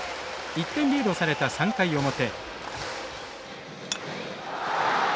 １点リードされた３回表。